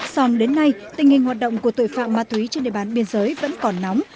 song đến nay tình hình hoạt động của tội phạm ma túy trên địa bàn biên giới vẫn còn nóng